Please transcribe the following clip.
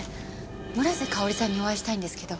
村瀬香織さんにお会いしたいんですけど。